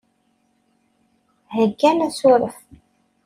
Heggan asuref.